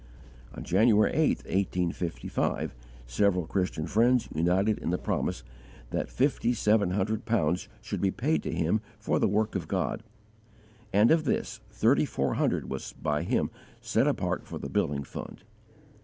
On January 8, 1855, several Christian friends united in the promise that fifty seven hundred pounds should be paid to him for the work of God, and of this, thirty four hundred was by him set apart for the building fund.